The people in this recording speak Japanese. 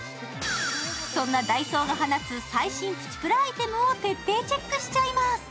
そんなＤＡＩＳＯが放つ最新プチプラアイテムを徹底チェックしちゃいます。